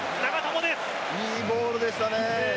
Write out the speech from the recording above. いいボールでしたね。